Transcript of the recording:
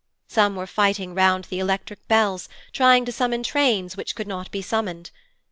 Some were fighting round the electric bells, trying to summon trains which could not be summoned.